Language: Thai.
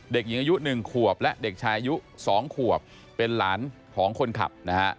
เด็กยี้งอายุ๑ขวกและเด็กชายุ๒ขวกเป็นล้านของคนขับ